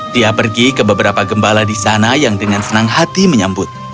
dia pergi ke beberapa gembala di sana yang dengan senang hati menyambut